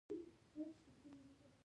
د مخابراتو وزارت انټرنیټ اداره کوي